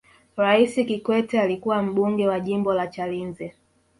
raisi kikwete alikuwa mbunge wa jimbo la chalinze